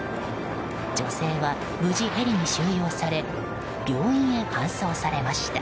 女性は無事、ヘリに収容され病院に搬送されました。